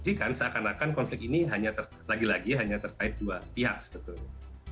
jadi kan seakan akan konflik ini lagi lagi hanya terkait dua pihak sebetulnya